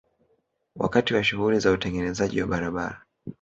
Wakati wa shughuli za utengenezaji wa barabara